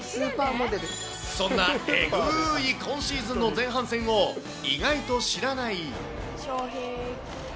そんなえぐーい今シーズンの前半戦を、意外と知らない。